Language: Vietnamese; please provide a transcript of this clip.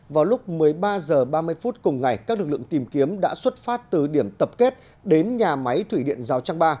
vào lúc một mươi ba h ba mươi phút cùng ngày các lực lượng tìm kiếm đã xuất phát từ điểm tập kết đến nhà máy thủy điện giao trang ba